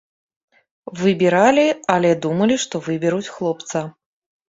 Выбіралі, але думалі, што выберуць хлопца.